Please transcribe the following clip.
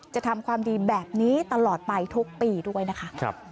จะทำความดีแบบนี้ตลอดไปทุกปีด้วยนะคะ